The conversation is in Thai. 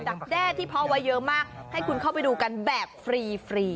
แด้ที่เพาะไว้เยอะมากให้คุณเข้าไปดูกันแบบฟรี